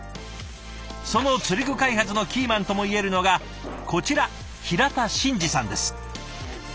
その釣り具開発のキーマンともいえるのがこちら平田伸次さんです。